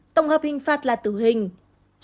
tổng hợp hình phạt là tử hình